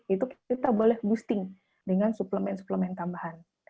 itu kita boleh boosting dengan suplemen suplemen tambahan